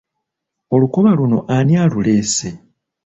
Olukoba luno ani aluleese?